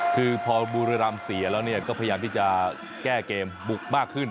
คือพอบุรีรำเสียแล้วก็พยายามที่จะแก้เกมบุกมากขึ้น